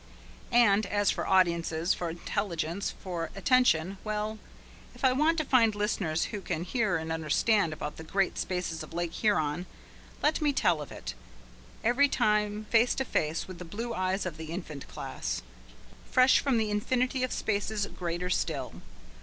And, as for audiences, for intelligence, for attention well, if I want to find listeners who can hear and understand about the great spaces of Lake Huron, let me tell of it, every time face to face with the blue eyes of the Infant Class, fresh from the infinity of spaces greater still.